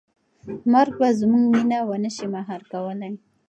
مرګ به زموږ مینه ونه شي مهار کولی.